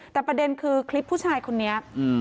แต่ประเด็นคือคลิปผู้ชายคนนี้แชร์อยู่หลายคลิป